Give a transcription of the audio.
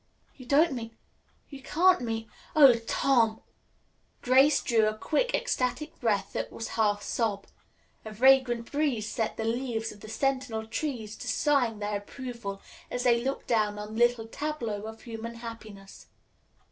"You don't mean you can't mean Oh, Tom!" Grace drew a quick, ecstatic breath that was half sob. A vagrant breeze set the leaves of the sentinel trees to sighing their approval as they looked down on the little tableau of human happiness.